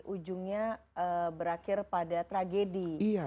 ujungnya berakhir pada tragedi